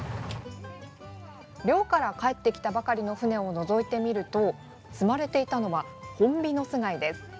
漁から帰ってきたばかりの船をのぞいてみると積まれていたのはホンビノス貝です。